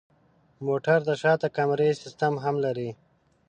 موټر د شاته کمرې سیستم هم لري.